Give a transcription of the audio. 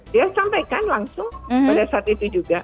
dia sampaikan langsung pada saat itu juga